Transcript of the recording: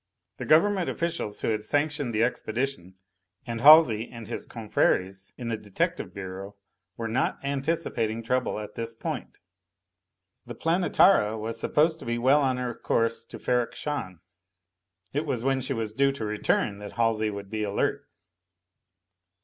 The Government officials who had sanctioned the expedition and Halsey and his confrères in the Detective Bureau were not anticipating trouble at this point. The Planetara was supposed to be well on her course to Ferrok Shahn. It was when she was due to return that Halsey would be alert.